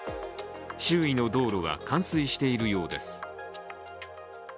周囲の道路は冠水しているようです。